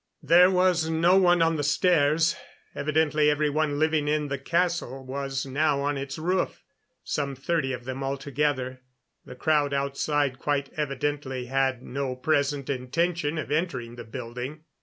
There was no one on the stairs; evidently every one living in the castle was now on its roof some thirty of them altogether. The crowd outside quite evidently had no present intention of entering the building.